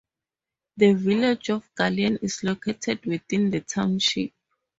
The village of Galien is located within the township.